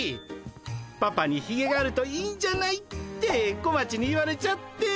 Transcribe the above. パパにひげがあるといいんじゃない？って小町に言われちゃって。